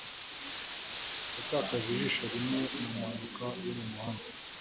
Yatakaje ijisho rimwe mu mpanuka yo mu muhanda.